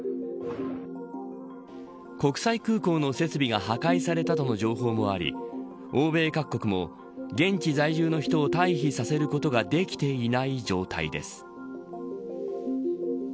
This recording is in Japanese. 国際空港の設備が破壊されたとの情報もあり欧米各国も、現地在住の人を退避させることができていない状態のようです。